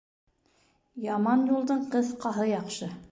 Яман юлдың ҡыҫҡаһы яҡшы.